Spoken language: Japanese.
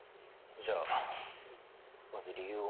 じゃあまず理由を。